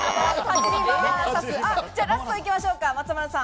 ラスト行きましょう、松丸さん。